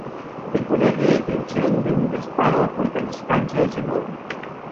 El poder de detención de un disparo a corta distancia es enorme.